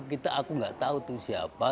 kita aku nggak tahu tuh siapa